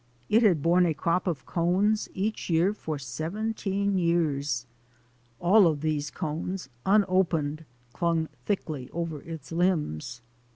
It had borne a crop or cones each year for seventeen years. All of these cones, unopened, clung thickly over its limbs.